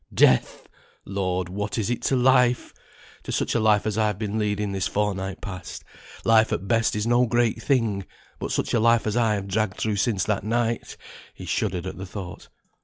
Death! Lord, what is it to Life? To such a life as I've been leading this fortnight past. Life at best is no great thing; but such a life as I have dragged through since that night," he shuddered at the thought.